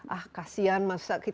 ah kasihan mas